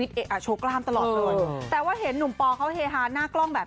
เพราะหนุ่มพ่อคือคนตลกเหฮา